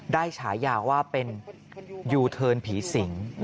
ฉายาว่าเป็นยูเทิร์นผีสิง